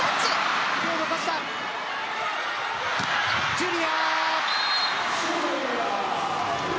ジュリア。